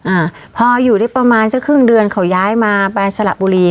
อ่าพออยู่ได้ประมาณสักครึ่งเดือนเขาย้ายมาไปสละบุรี